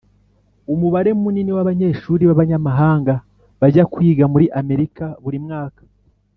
umubare munini w'abanyeshuri b'abanyamahanga bajya kwiga muri amerika buri mwaka